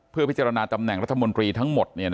เพื่อพิจารณาตำแหน่งรัฐมนตรีทั้งหมด